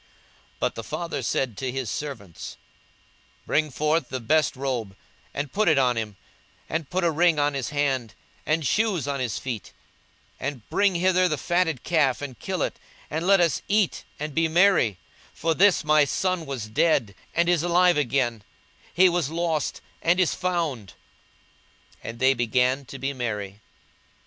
42:015:022 But the father said to his servants, Bring forth the best robe, and put it on him; and put a ring on his hand, and shoes on his feet: 42:015:023 And bring hither the fatted calf, and kill it; and let us eat, and be merry: 42:015:024 For this my son was dead, and is alive again; he was lost, and is found. And they began to be merry.